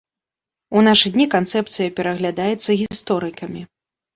У нашы дні канцэпцыя пераглядаецца гісторыкамі.